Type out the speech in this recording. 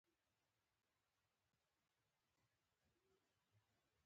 په کوټه کي یو لوی کټ پروت وو.